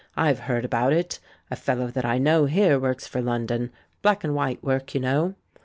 I've heard about it. A fellow that I know here works for London — black and white work, you know.